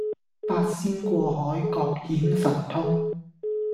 八仙過海各顯神通